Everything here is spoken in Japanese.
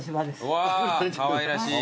うわかわいらしい。